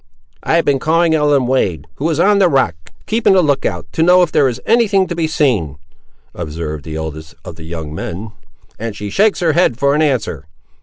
"I have been calling Ellen Wade, who is on the rock keeping the look out, to know if there is any thing to be seen," observed the eldest of the young men; "and she shakes her head, for an answer.